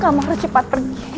kamu harus cepat pergi